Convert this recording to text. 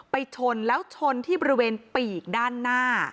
ชนแล้วชนที่บริเวณปีกด้านหน้า